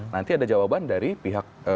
nanti ada jawaban dari pihak